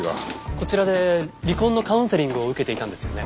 こちらで離婚のカウンセリングを受けていたんですよね？